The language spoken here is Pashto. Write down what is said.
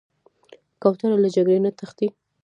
کوتره له جګړې نه تښتي.